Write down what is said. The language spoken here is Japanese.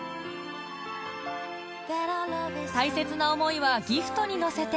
大切な思いはギフトに乗せて